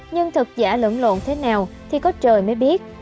nhưng thật giả lẫn lộn thế nào thì có trời mới biết